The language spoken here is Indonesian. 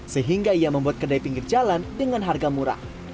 sehingga ia membuat kedai pinggir jalan dengan harga murah